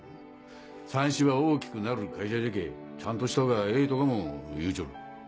「さんしは大きくなる会社じゃけぇちゃんとしたほうがええ」とかも言うちょる。